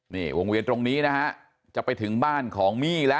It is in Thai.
นี่วงเวียนตรงนี้นะฮะจะไปถึงบ้านของมี่แล้ว